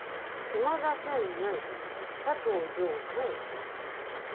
島田専務佐藤常務。